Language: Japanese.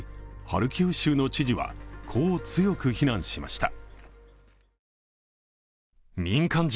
ハルキウ州の知事はこう強く非難しました。